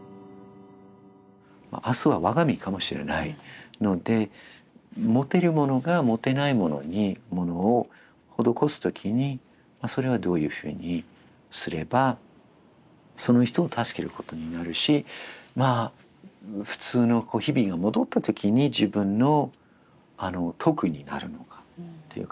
明日は我が身かもしれないので持てる者が持てない者にものを施す時にそれはどういうふうにすればその人を助けることになるしまあ普通の日々が戻った時に自分の徳になるのかというか。